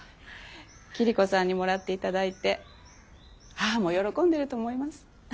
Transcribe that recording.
桐子さんにもらっていただいて母も喜んでると思います。